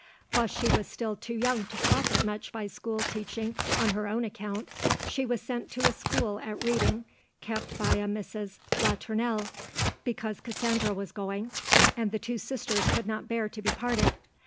While she was still too young to profit much by school teaching on her own account, she was sent to a school at Reading kept by a Mrs. Latournelle, because Cassandra was going, and the two sisters could not bear to be parted.